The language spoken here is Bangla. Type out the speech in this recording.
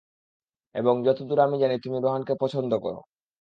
এবং যতদুর আমি জানি, তুমি রোহানকে পছন্দ করো।